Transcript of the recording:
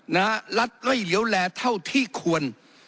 นะฮะรัฐไม่เลี้ยวแรกเท่าที่ควร